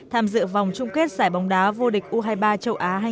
tham dự vòng chung kết giải bóng đá vô địch u hai mươi ba châu á hai nghìn hai mươi